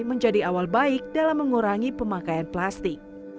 menjadi awal baik dalam mengurangi pemakaian plastik